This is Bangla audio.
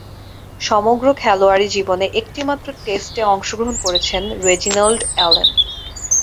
সমগ্র খেলোয়াড়ী জীবনে একটিমাত্র টেস্টে অংশগ্রহণ করেছেন রেজিনাল্ড অ্যালেন।